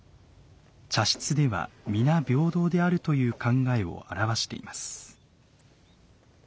茶室では皆平等であるという考えを表しています。